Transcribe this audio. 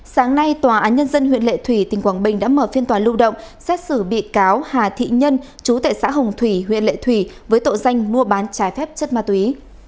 sáng nay tòa án nhân dân huyện lệ thủy tỉnh quảng bình đã mở phiên tòa lưu động xét xử bị cáo hà thị nhân chú tại xã hồng thủy huyện lệ thủy với tội danh mua bán trái phép chất ma túy